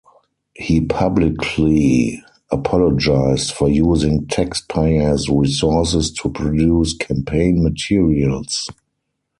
He publicly apologized for using taxpayer's resources to produce campaign materials.